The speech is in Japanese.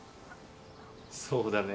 そうだね。